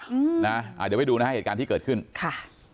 อืมนะอ่าเดี๋ยวไปดูนะฮะเหตุการณ์ที่เกิดขึ้นค่ะ